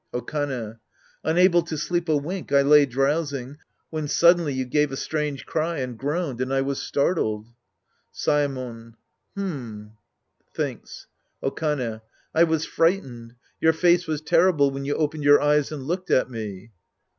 Okane. Unable to sleep a wink, I lay drowsing, when suddenly you gave a strange cry and groaned, and I was startled. Saemon. H'm. {Thinks.) Okane. I was frightened. Your face was terrible when you opened your eyes and looked at me.